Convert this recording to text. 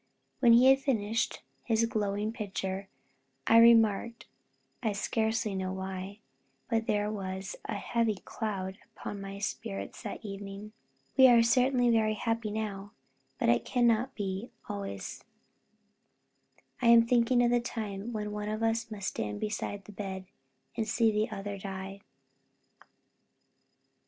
When he had finished his glowing picture, I remarked (I scarcely know why, but there was a heavy cloud upon my spirits that evening), "We are certainly very happy now, but it cannot be so always I am thinking of the time when one of us must stand beside the bed, and see the other die."